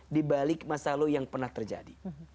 di balik masa lalu yang pernah terjadi